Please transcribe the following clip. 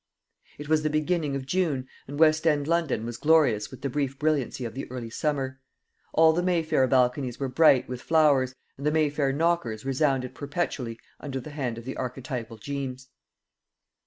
It was the beginning of June, and West end London was glorious with the brief brilliancy of the early summer. All the Mayfair balconies were bright with, flowers, and the Mayfair knockers resounded perpetually under the hand of the archetypal Jeames.